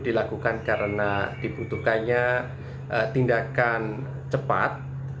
dilakukan karena dibutuhkannya tindakan cepat